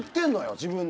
自分で。